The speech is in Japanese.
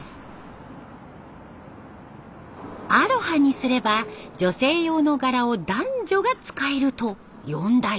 アロハにすれば女性用の柄を男女が使えると４代目。